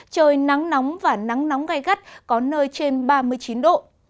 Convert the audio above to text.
trời nắng nóng và nắng nóng gai gắt có nơi trên ba mươi chín độ